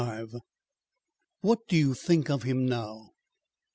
XXV "WHAT DO YOU THINK OF HIM NOW?"